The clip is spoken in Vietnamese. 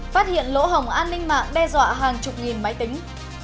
phát hiện lỗ hồng an ninh mạng đe dọa hàng chục nghìn máy tính